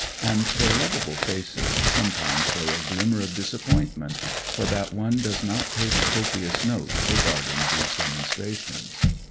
And their lovable faces some times show a glimaner of disappointment, for that one does not take copious notes regarding these demonstrations.